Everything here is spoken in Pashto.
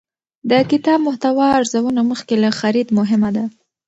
د کتاب محتوا ارزونه مخکې له خرید مهمه ده.